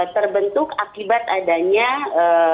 terbentuk akibat adanya eee